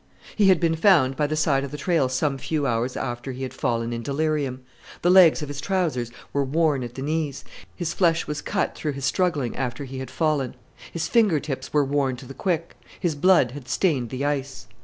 He had been found by the side of the trail some few hours after he had fallen in delirium. The legs of his trousers were worn at the knees; his flesh was cut through his struggling after he had fallen. His finger tips were worn to the quick; his blood had stained the ice.